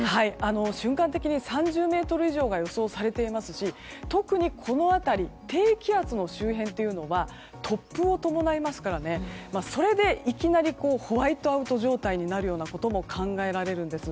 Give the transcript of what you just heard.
瞬間的に３０メートル以上が予想されていますし、特に低気圧の周辺というのは突風を伴いますからそれで、いきなりホワイトアウト状態になることも考えられるんです。